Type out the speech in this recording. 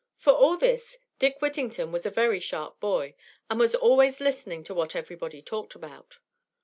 For all this Dick Whittington was a very sharp boy, and was always listening to what everybody talked about.